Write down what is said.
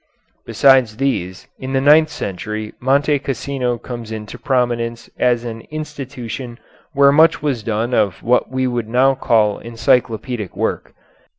Besides these, in the ninth century Monte Cassino comes into prominence as an institution where much was done of what we would now call encyclopedic work.